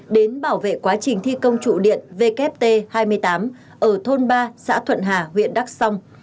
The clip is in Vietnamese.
đến bảo vệ quá trình thi công trụ điện wt hai mươi tám ở thôn ba xã thuận hà huyện đắc song